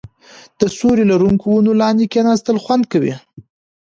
د سیوري لرونکو ونو لاندې کیناستل خوند کوي.